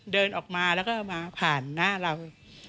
เดินออกมาแล้วก็มาผ่านหน้าเรา